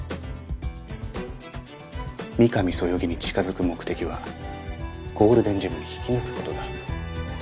御神そよぎに近づく目的はゴールデンジムに引き抜く事だ。